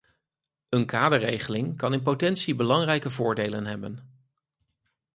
Een kaderregeling kan in potentie belangrijke voordelen hebben.